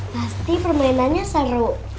pasti permainannya seru